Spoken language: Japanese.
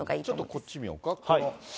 ちょっとこっち見ようか。